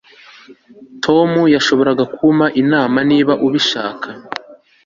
Tom yashoboraga kumpa inama niba abishaka